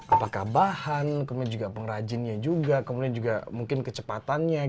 apakah bahan kemudian juga pengrajinnya juga kemudian juga mungkin kecepatannya